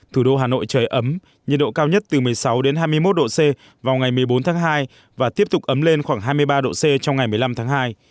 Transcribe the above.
thủ đô hà nội trời ấm nhiệt độ cao nhất từ một mươi sáu hai mươi một độ c vào ngày một mươi bốn tháng hai và tiếp tục ấm lên khoảng hai mươi ba độ c trong ngày một mươi năm tháng hai